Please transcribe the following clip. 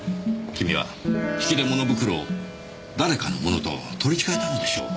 キミは引き出物袋を誰かのものと取り違えたのでしょう。